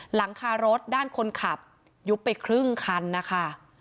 หลังคารถด้านคนขับยุบไปครึ่งคันนะคะ